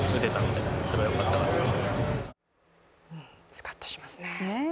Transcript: スカッとしますね。